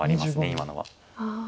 今のは。